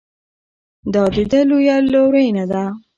دا د ده لویه لورینه ده.